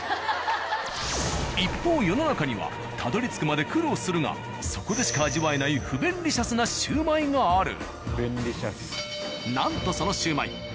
一方世の中にはたどりつくまで苦労するがそこでしか味わえない不便利シャスなシュウマイがある。